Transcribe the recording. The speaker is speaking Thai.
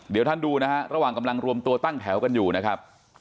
เดี๋ยวท่านดูนะฮะระหว่างกำลังรวมตัวตั้งแถวกันอยู่นะครับ